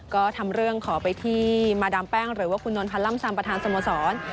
ก็ทำเรื่องขอไปที่มาดามแป้งหรือว่าคุณนวลพันธ์ล่ำซำประธานสโมสร